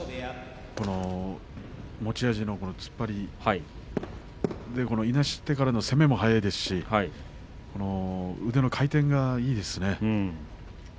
持ち味の突っ張りいなしてからの攻めも速いですし腕の回転がいいですね。